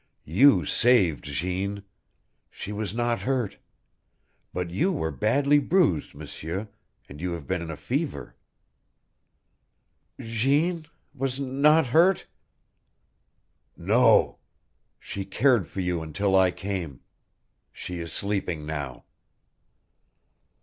"You saved Jeanne. She was not hurt. But you were badly bruised, M'sieur, and you have been in a fever." "Jeanne was not hurt?" "No. She cared for you until I came. She is sleeping now."